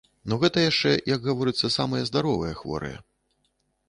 Ну гэта яшчэ, як гаворыцца, самыя здаровыя хворыя.